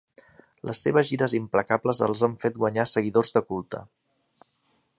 Les seves gires implacables els han fet guanyar seguidors de culte.